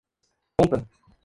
Conta!